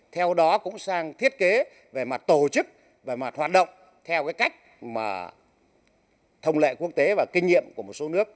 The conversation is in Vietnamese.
theo đó cũng sang thiết kế về mặt tổ chức về mặt hoạt động theo cái cách mà thông lệ quốc tế và kinh nghiệm của một số nước